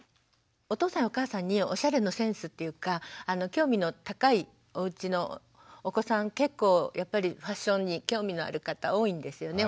お父さんやお母さんにおしゃれのセンスっていうか興味の高いおうちのお子さん結構やっぱりファッションに興味のある方多いんですよね